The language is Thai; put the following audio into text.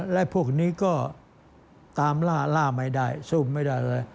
และพวกนี้ก็ตามล่าล่าไม่ได้ซูมไม่ได้เลย